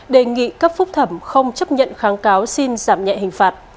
đề nghị cấp phúc thẩm không chấp nhận kháng cáo xin giảm nhẹ hình phạt